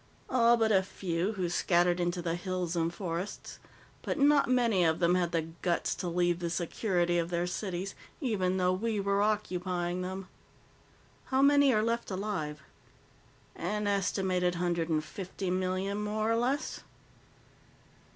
"All but a few who scattered into the hills and forests. But not many of them had the guts to leave the security of their cities, even though we were occupying them." "How many are left alive?" "An estimated hundred and fifty million, more or less."